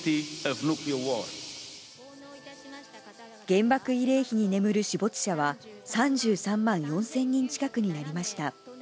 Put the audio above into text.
原爆慰霊碑に眠る死没者は３３万４０００人近くになりました。